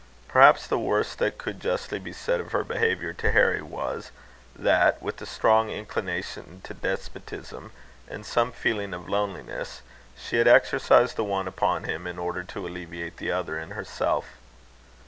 Perhaps the worst that could justly be said of her behaviour to Harry was, that, with a strong inclination to despotism, and some feeling of loneliness, she had exercised the one upon him in order to alleviate the other in herself.